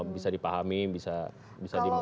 bisa dipahami bisa dimengerti